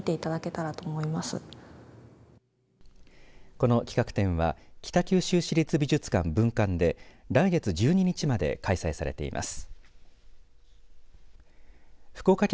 この企画展は北九州市立美術館分館で来月１２日まで開催されています。